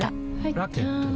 ラケットは？